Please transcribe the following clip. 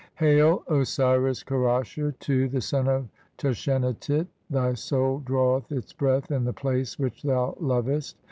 "Hail, Osiris Kerasher, (2) the son of Tashenatit, "thy soul draweth its breath in the place which thou "lovest.